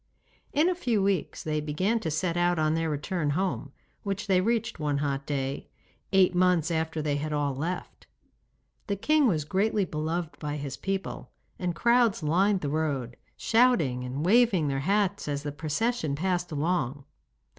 In a few weeks they began to set out on their return home, which they reached one hot day, eight months after they had all left. The king was greatly beloved by his people, and crowds lined the roads, shouting and waving their hats as the procession passed along.